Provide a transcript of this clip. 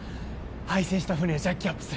廃船した船をジャッキアップする。